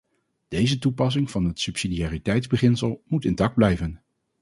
Deze toepassing van het subsidiariteitsbeginsel moet intact blijven.